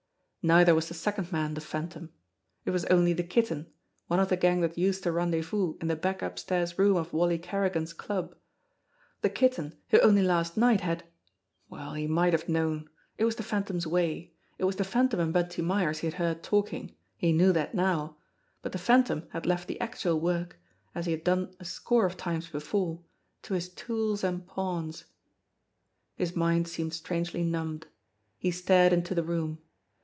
Neither was the second man the Phantom ; it was only the Kitten, one of the gang that used to rendezvous in the back upstairs room of Wally Kerri gan's "club." The Kitten who only last night had Well, he might have known ! It was the Phantom's way. It was the Phantom and Bunty Myers he had heard talking he knew that now but the Phantom had left the actual work, as he had done a score of times before, to his tools and pawns. His mind seemed strangely numbed. He stared into the room.